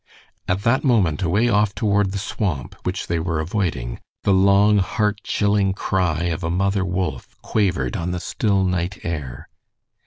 At that moment away off toward the swamp, which they were avoiding, the long, heart chilling cry of a mother wolf quavered on the still night air.